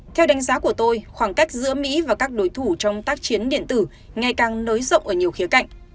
theo đánh giá của tôi khoảng cách giữa mỹ và các đối thủ trong tác chiến điện tử ngày càng nới rộng ở nhiều khía cạnh